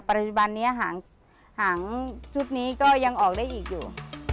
ปัจจุบันนี้หางชุดนี้ก็ยังออกได้อีกอยู่